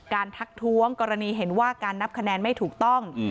ทักท้วงกรณีเห็นว่าการนับคะแนนไม่ถูกต้อง